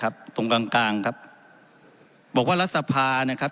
ซึ่งต้องบอกว่ารัฐสภาเนี่ยครับ